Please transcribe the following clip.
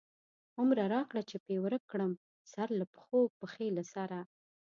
هومره راکړه چی پی ورک کړم، سر له پښو، پښی له سره